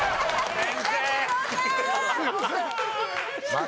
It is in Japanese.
すいません。